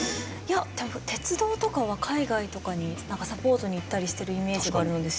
鉄道とかは海外とかにサポートに行ったりしてるイメージがあるので進んでる？